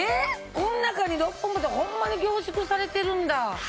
この中に６本分ってホンマに凝縮されてるんだ。